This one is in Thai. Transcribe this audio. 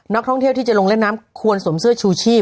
ท่องเที่ยวที่จะลงเล่นน้ำควรสวมเสื้อชูชีพ